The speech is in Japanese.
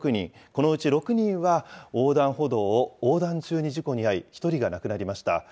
このうち６人は横断歩道を横断中に事故に遭い、１人が亡くなりました。